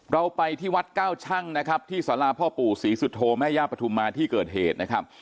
เราไปที่วัดเก้าชั่งนะครับที่สาราพ่อปู่ศรีสุโธแม่ย่าปฐุมมาที่เกิดเหตุนะครับ